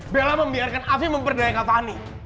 bella membiarkan afi memperdaya kak fani